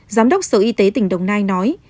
giám đốc sở y tế tỉnh đồng nai nói